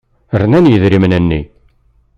Rnan yidrimen-nni.